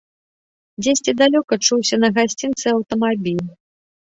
Дзесьці далёка чуўся на гасцінцы аўтамабіль.